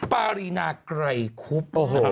ปารีนาไกรคุบ